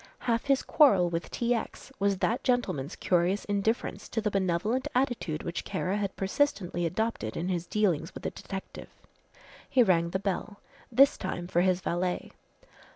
Half his quarrel with T. X. was that gentleman's curious indifference to the benevolent attitude which Kara had persistently adopted in his dealings with the detective. He rang the bell, this time for his valet.